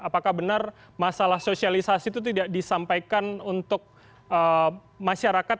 apakah benar masalah sosialisasi itu tidak disampaikan untuk masyarakat